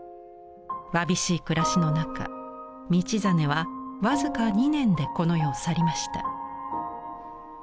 わびしい暮らしの中道真は僅か２年でこの世を去りました。